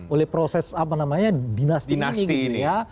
oleh proses apa namanya dinasti ini gitu ya